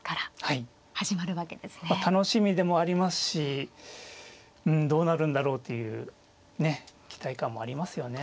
楽しみでもありますしうんどうなるんだろうというね期待感もありますよね。